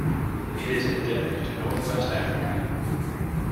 It is endemic to Northwest Africa.